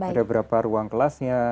ada berapa ruang kelasnya